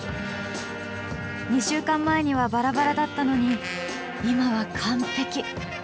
２週間前にはバラバラだったのに今は完璧。